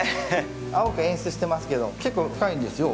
青く演出してますけど結構深いんですよ。